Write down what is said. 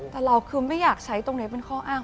แต่เราคือไม่อยากใช้ตรงนี้เป็นข้ออ้าง